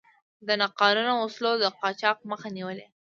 د ناقانونه وسلو د قاچاق مخه نیولې.